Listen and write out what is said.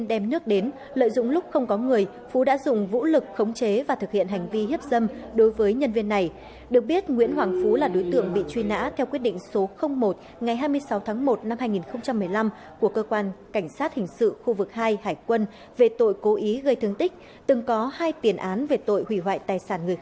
hãy đăng ký kênh để ủng hộ kênh của chúng mình nhé